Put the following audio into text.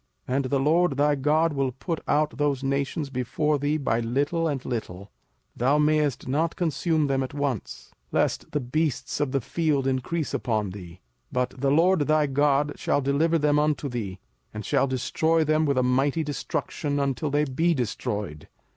05:007:022 And the LORD thy God will put out those nations before thee by little and little: thou mayest not consume them at once, lest the beasts of the field increase upon thee. 05:007:023 But the LORD thy God shall deliver them unto thee, and shall destroy them with a mighty destruction, until they be destroyed.